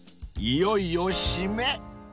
［いよいよ締め］